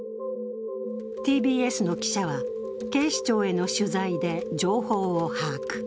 ＴＢＳの記者は、警視庁への取材で情報を把握。